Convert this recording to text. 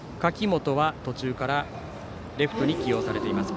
柿本は途中からレフトに起用されています。